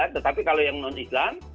tetapi kalau yang non islam